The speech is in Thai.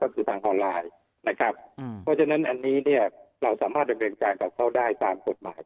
เราสามารถดำเนินการกับเขาได้ตามกฎหมายทุกอย่าง